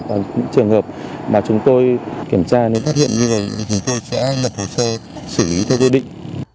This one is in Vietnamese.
và những trường hợp mà chúng tôi kiểm tra nên phát hiện như vậy thì chúng tôi sẽ lật hồ sơ xử lý theo quy định